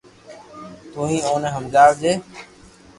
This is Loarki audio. تو ھي اوني ھمجاجي